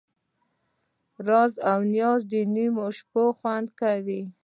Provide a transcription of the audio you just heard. راز او نیاز د نیمې شپې خوند کوي.